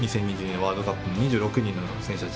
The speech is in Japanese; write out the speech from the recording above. ワールドカップの２６人の選手たち